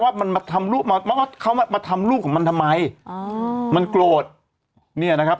ว่ามันมาทำลูกมาว่าเขามามาทำลูกของมันทำไมอ่ามันโกรธเนี่ยนะครับ